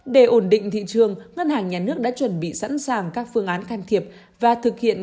để ổn định thị trường ngân hàng nhà nước đã chuẩn bị sẵn sàng các phương án can thiệp và thực hiện